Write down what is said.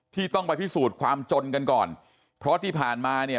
ที่ต้องไปพิสูจน์ความจนกันก่อนเพราะที่ผ่านมาเนี่ย